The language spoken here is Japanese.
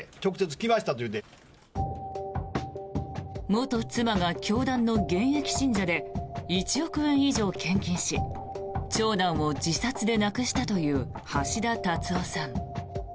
元妻が教団の現役信者で１億円以上献金し長男を自殺で亡くしたという橋田達夫さん。